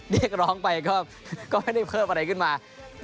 เรียกร้องไปก็ไม่ได้เพิ่มอะไรขึ้นมา